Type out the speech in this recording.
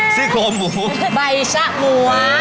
สิคโกมูใบฉระหมวง